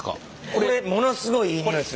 これものすごいいい匂いする！